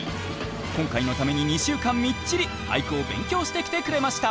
今回のために２週間みっちり俳句を勉強してきてくれました。